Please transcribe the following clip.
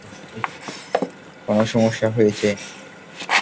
কোনও সমস্যা হয়েছে?